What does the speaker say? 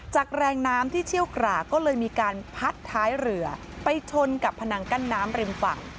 แรงน้ำที่เชี่ยวกรากก็เลยมีการพัดท้ายเรือไปชนกับพนังกั้นน้ำริมฝั่ง